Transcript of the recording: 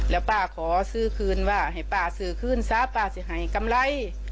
แล้วป้าขอซื้อคืนว่าให้ป้าซื้อคืนซะป้าจะให้กำไร